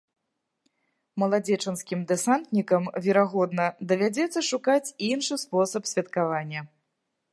Маладзечанскім дэсантнікам, верагодна, давядзецца шукаць іншы спосаб святкавання.